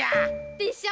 でしょ？